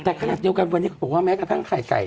แต่ขนาดเดียวกันวันนี้เขาบอกว่าแม้กระทั่งไข่ไก่